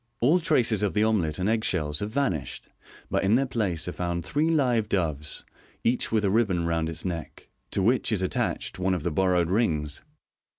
All traces of the omelet and egg shells have vanished, but in their place are found three live doves, each with a ribbon round its neck, to which it ' ttached one of the borrowed rings.